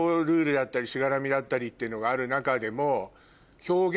だったりっていうのがある中でも。